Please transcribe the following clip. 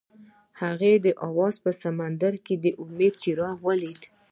هغه د اواز په سمندر کې د امید څراغ ولید.